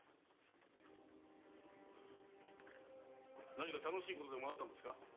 何か楽しいことでもあったんですか？